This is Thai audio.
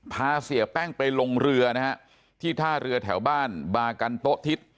พาเสียแป้งไปลงเรือนะฮะที่ท่าเรือแถวบ้านบากันโต๊ะทิศ